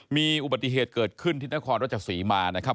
มีอุบัติเหตุเกิดขึ้นที่นครรัชศรีมานะครับ